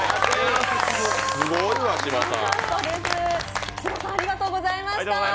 すごいわ、しばさん。